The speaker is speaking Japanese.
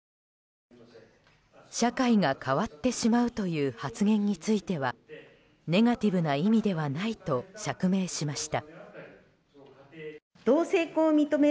社会が変わってしまうという発言についてはネガティブな意味ではないと釈明しました。